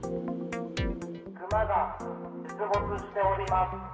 クマが出没しております。